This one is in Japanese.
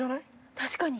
確かに。